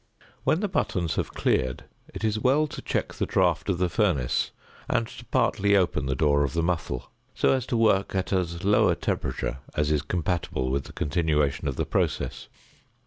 ] When the buttons have cleared it is well to check the draught of the furnace, and to partly open the door of the muffle, so as to work at as low a temperature as is compatible with the continuation of the process.